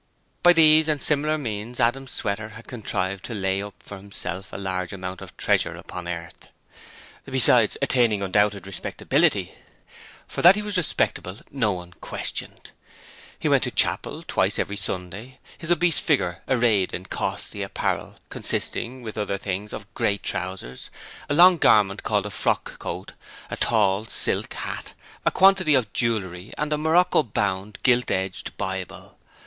By these and similar means Adam Sweater had contrived to lay up for himself a large amount of treasure upon earth, besides attaining undoubted respectability; for that he was respectable no one questioned. He went to chapel twice every Sunday, his obese figure arrayed in costly apparel, consisting with other things of grey trousers, a long garment called a frock coat, a tall silk hat, a quantity of jewellery and a morocco bound gilt edged Bible.